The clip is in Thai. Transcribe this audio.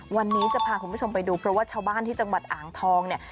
วันนี้จะพาคุณผู้ชมไปดูเพราะว่าชาวบ้านที่จังหวัดอ่างทองเนี่ย